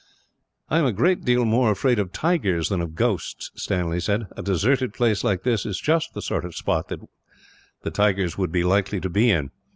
"I am a great deal more afraid of tigers than of ghosts," Stanley said; "a deserted place like this is just the sort of spot they would be likely to be in.